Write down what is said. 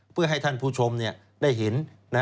เพื่อให้ท่านผู้ชมได้เห็น